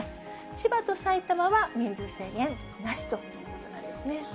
千葉と埼玉は人数制限なしということなんですね。